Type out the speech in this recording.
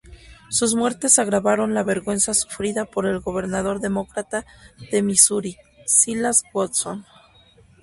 Sus muertes agravaron la vergüenza sufrida por el gobernador demócrata de Misuri, Silas Woodson.